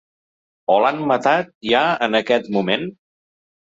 O l’han matat ja aquest moment?